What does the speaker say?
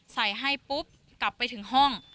ใส่ให้ปุ๊บกลับไปถึงห้อง